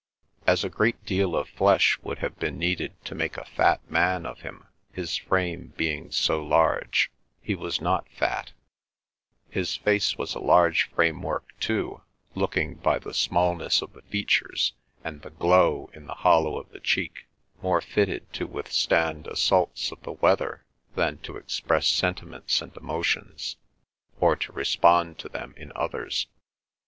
As a great deal of flesh would have been needed to make a fat man of him, his frame being so large, he was not fat; his face was a large framework too, looking, by the smallness of the features and the glow in the hollow of the cheek, more fitted to withstand assaults of the weather than to express sentiments and emotions, or to respond to them in others.